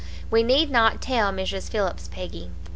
We need not tell Mrs. Phillips, Peggy.'